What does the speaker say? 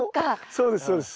そうですそうです。